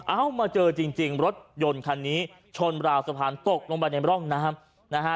เอามาเจอจริงรถยนต์คันนี้ชนราวสะพานตกลงไปในร่องน้ำนะฮะ